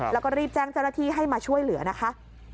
แล้วก็รีบแจ้งเจ้าหน้าที่ให้มาช่วยเหลือนะคะ